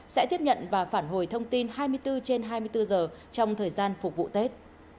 sẽ tiếp nhận và phản hồi thông tin hai mươi bốn trên hai mươi bốn giờ trong thời gian phục vụ tết